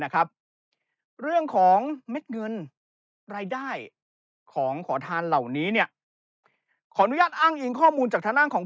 ของขอทานเหล่านี้เนี่ยขออนุญาตอ้างอิงข้อมูลจากธนาคของ